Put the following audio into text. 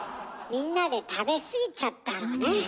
みんなで食べ過ぎちゃったのね。